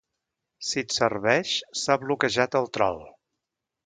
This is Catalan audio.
Si et serveix, s'ha bloquejat el trol.